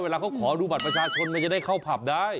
เวลาเขาขอดูบัตรประชาชนมันจะได้เข้าผับได้